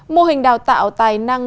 mô hình đào tạo tài năng